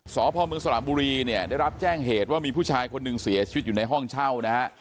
สพมสระบุรีเนี่ยได้รับแจ้งเหตุว่ามีผู้ชายคนหนึ่งเสียชีวิตอยู่ในห้องเช่านะฮะ